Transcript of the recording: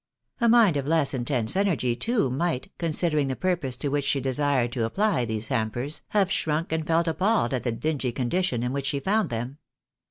A mind of less intense energy, too, might, considering the purpose to which she desired to apply these hampers, have shrunk and felt appalled at the dingy condition in which she found them.